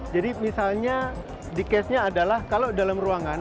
jadi misalnya di case nya adalah kalau dalam ruangan